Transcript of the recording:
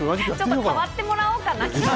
代わってもらおうかな。